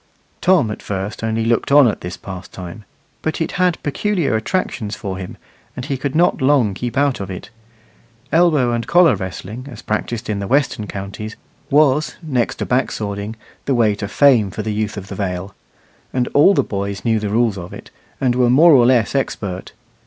Tom at first only looked on at this pastime, but it had peculiar attractions for him, and he could not long keep out of it. Elbow and collar wrestling, as practised in the western counties, was, next to back swording, the way to fame for the youth of the Vale; and all the boys knew the rules of it, and were more or less expert.